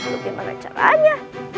lagi menarik caranya